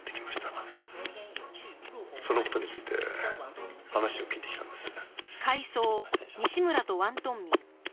その事について話を聞いてきたんです。